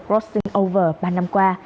crossing over ba năm qua